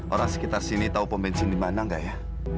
orang sekitar sini tahu pembencin dimana nggak ya